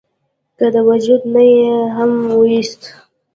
کۀ د وجود نه ئې هم اوويستۀ ؟